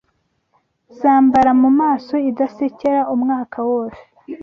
zambara mumaso idasekera Umwaka wose